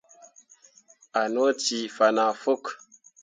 A no cii fana fok.